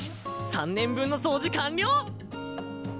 ３年分の掃除完了！